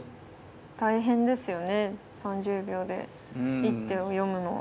大変ですよね３０秒で一手を読むのは。